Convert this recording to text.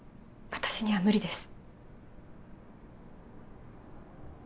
私には無理です